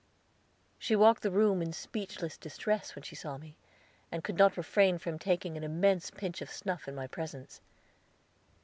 She walked the room in speechless distress when she saw me, and could not refrain from taking an immense pinch of snuff in my presence.